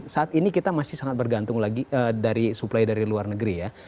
saat ini kita masih sangat bergantung lagi dari suplai dari luar negeri ya